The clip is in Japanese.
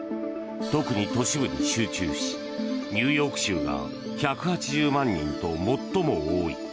特に都市部に集中しニューヨーク州が１８０万人と最も多い。